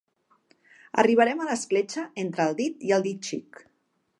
Arribarem a l'escletxa entre el Dit i el Dit Xic.